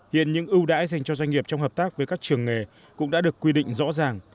hiện những ưu đãi dành cho doanh nghiệp trong hợp tác với các trường nghề cũng đã được quy định rõ ràng